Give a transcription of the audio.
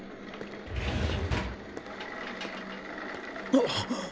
あっ！